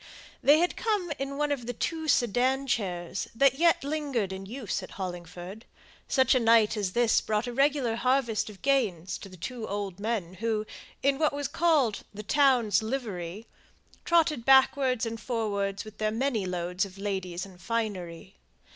They had come in one of the two sedan chairs that yet lingered in use at Hollingford; such a night as this brought a regular harvest of gains to the two old men who, in what was called the "town's livery," trotted backwards and forwards with their many loads of ladies and finery.